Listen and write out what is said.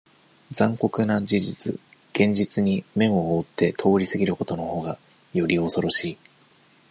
残酷な事実、現実に目を覆って通り過ぎることの方が、より、恐ろしい。